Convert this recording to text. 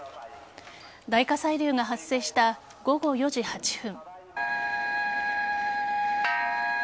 大火砕流が発生した午後４時８分。